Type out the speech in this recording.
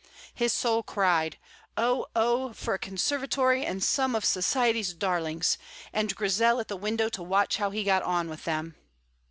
(His soul cried, Oh, oh, for a conservatory and some of society's darlings, and Grizel at the window to watch how he got on with them!)